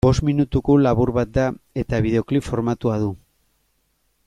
Bost minutuko labur bat da, eta bideoklip formatua du.